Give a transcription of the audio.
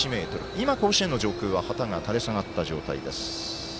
今、甲子園の上空は旗が垂れ下がった状態です。